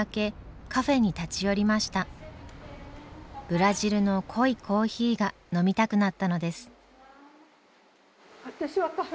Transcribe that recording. ブラジルの濃いコーヒーが飲みたくなったのです。